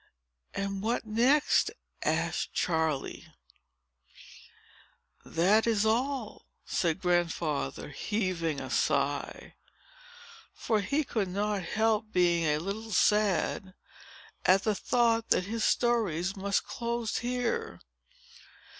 "And what next?" asked Charley. "That is all," said Grandfather, heaving a sigh; for he could not help being a little sad, at the thought that his stories must close here.